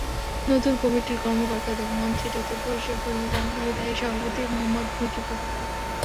নতুন কমিটির কর্মকর্তাদের মঞ্চে ডেকে পরিচয় করিয়ে দেন বিদায়ী সভাপতি মোহাম্মদ মজিবর।